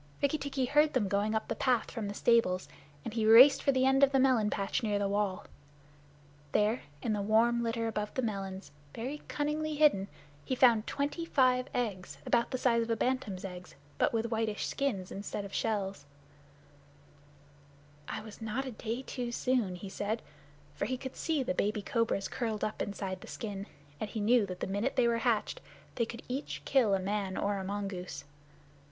Rikki tikki heard them going up the path from the stables, and he raced for the end of the melon patch near the wall. There, in the warm litter above the melons, very cunningly hidden, he found twenty five eggs, about the size of a bantam's eggs, but with whitish skin instead of shell. "I was not a day too soon," he said, for he could see the baby cobras curled up inside the skin, and he knew that the minute they were hatched they could each kill a man or a mongoose.